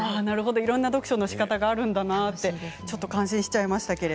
いろんな読書のしかたがあるんだなと感心してしまいました。